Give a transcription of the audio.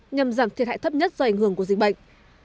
nhằm giảm thiệt hại thấp nhất do ảnh hưởng của dịch bệnh